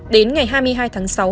đến ngày hai mươi hai tháng sáu